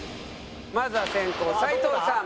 まずは先攻斎藤さん。